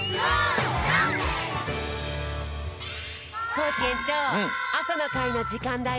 コージえんちょうあさのかいのじかんだよ！